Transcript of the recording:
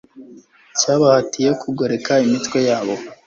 cyabahatiye kugoreka imitwe yabo